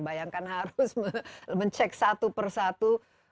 bayangkan harus mencek satu persatu